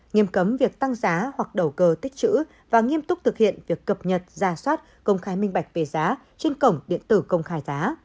nghiêm cấm việc tăng giá hoặc đầu cơ tích chữ và nghiêm túc thực hiện việc cập nhật ra soát công khai minh bạch về giá trên cổng điện tử công khai giá